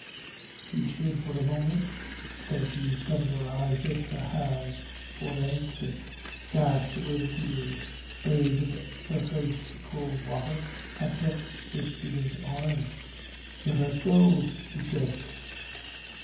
She stood for a moment. Then she covered her eyes with her hands for an instant, dashed away the tears, bathed her face with cold water, and took the student's arm. "Let us go!" she said.